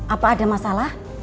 apa ada masalah